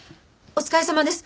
お疲れさまです